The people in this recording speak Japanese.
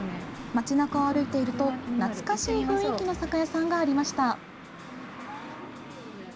町なかを歩いていると懐かしい雰囲気の酒屋さんがありました。